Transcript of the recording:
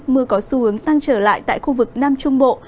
mưa có xu hướng tăng trở lại tại khu vực nam trung bộ